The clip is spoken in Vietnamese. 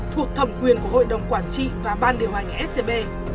thuộc thẩm quyền của hội đồng quản trị và ban điều hành scb